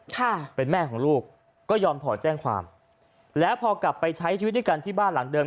ค่ะเป็นแม่ของลูกก็ยอมถอนแจ้งความแล้วพอกลับไปใช้ชีวิตด้วยกันที่บ้านหลังเดิม